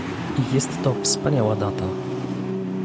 Jest to wspaniała data